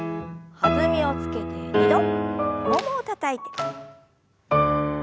弾みをつけて２度ももをたたいて。